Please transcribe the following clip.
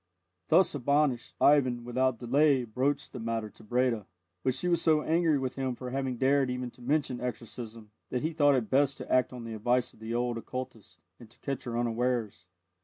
Thus admonished, Ivan, without delay, broached the matter to Breda. But she was so angry with him for having dared even to mention exorcism, that he thought it best to act on the advice of the old occultist and to catch her unawares.